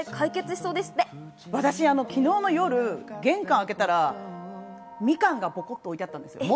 私、昨日の夜、玄関開けたらみかんがポコって置いてあったんですよ。